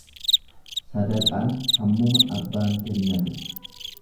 Sadaqaan hammuma abbaan kennate.